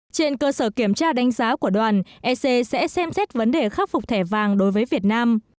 trên cơ sở kiểm tra đánh giá của đoàn ec sẽ xem xét vấn đề khắc phục thẻ vàng đối với việt nam